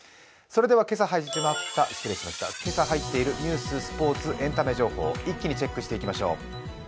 それでは今朝入っているニュース、スポーツ、エンタメ情報を一気にチェックしていきましょう。